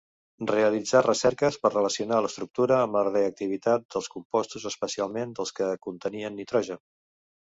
Realitzà recerques per relacionar l'estructura amb la reactivitat dels compostos, especialment dels que contenien nitrogen.